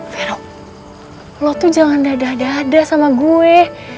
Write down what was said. vero lo tuh jangan dadah dadah sama gue